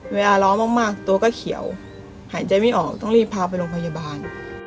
ล้อมากตัวก็เขียวหายใจไม่ออกต้องรีบพาไปโรงพยาบาล